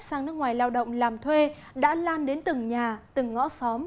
sang nước ngoài lao động làm thuê đã lan đến từng nhà từng ngõ xóm